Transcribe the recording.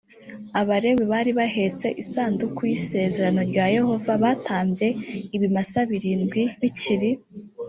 abalewi bari bahetse isanduku y isezerano rya yehova batambye ibimasa birindwi bikiri